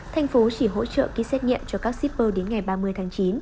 tp hcm chỉ hỗ trợ ký xét nghiệm cho các shipper đến ngày ba mươi tháng chín